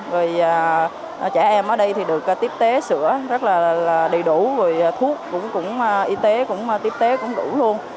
rồi trẻ em ở đây thì được tiếp tế sửa rất là đầy đủ rồi thuốc cũng y tế cũng tiếp tế cũng đủ luôn